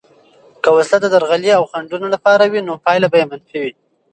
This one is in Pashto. که وسله د درغلي او خنډونو لپاره وي، نو پایله به منفي وي.